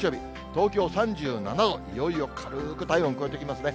東京３７度、いよいよ軽く体温超えてきますね。